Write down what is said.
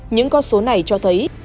những con số này cho thấy